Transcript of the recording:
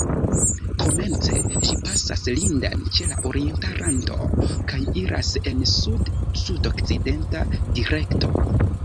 Komence ĝi pasas Linden ĉe la orienta rando kaj iras en sud-sudokcidenta direkto.